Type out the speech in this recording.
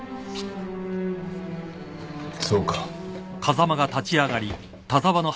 そうか。